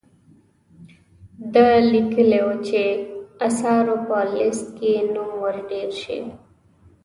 ده لیکلي وو چې آثارو په لیست کې نوم ور ډیر شي.